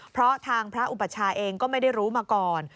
เพราะทางพระอุปชาเองก็ไม่ได้รู้มาก่อน